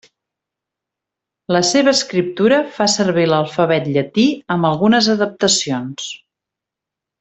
La seva escriptura fa servir l'alfabet llatí amb algunes adaptacions.